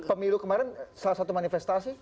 pemilu kemarin salah satu manifestasi